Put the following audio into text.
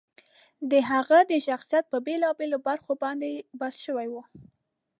د هغه د شخصیت په بېلا بېلو برخو باندې بحث شوی و.